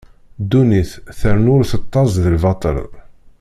Ddunit trennu ur tettaẓ di lbaṭel.